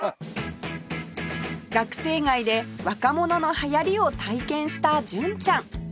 学生街で若者の流行りを体験した純ちゃん